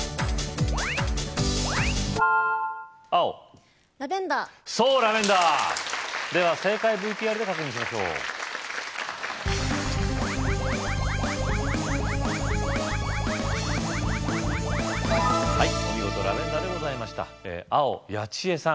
青ラベンダーそうラベンダーでは正解ＶＴＲで確認しましょうお見事ラベンダーでございました青八千恵さん